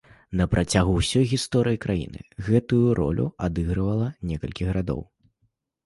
На працягу ўсёй гісторыі краіны, гэтую ролю адыгрывала некалькі гарадоў.